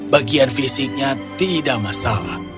bagian fisiknya tidak masalah